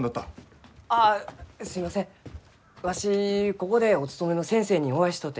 ここでお勤めの先生にお会いしとうて。